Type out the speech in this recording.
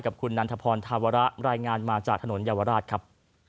กับคุณนันทพรธาวระรายงานมาจากถนนเยาวราชครับ